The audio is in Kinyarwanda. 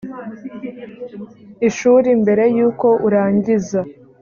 ishuri mbere y uko urangiza